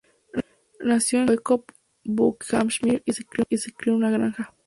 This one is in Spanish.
Nació en High Wycombe, Buckinghamshire, y se crio en una granja.